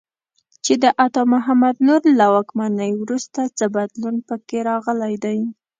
چې د عطا محمد نور له واکمنۍ وروسته څه بدلون په کې راغلی دی.